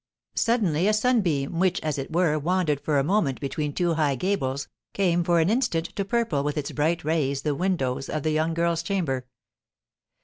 Suddenly a sunbeam, which, as it were, wandered for a moment between two high gables, came for an instant to purple with its bright rays the windows of the young girl's chamber.